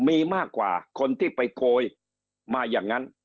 มีมากกว่าคนที่ไปโกยมาอย่างนั้น